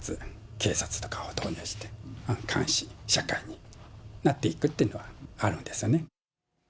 警察とかを導入して、監視社会になっていくっていうのはあるんですよね。